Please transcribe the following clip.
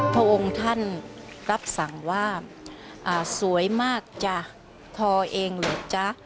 พระองค์ท่านรับสั่งว่าสวยมากจ้ะทอเองเหรอจ๊ะ